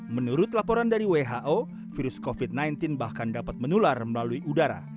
menurut laporan dari who virus covid sembilan belas bahkan dapat menular melalui udara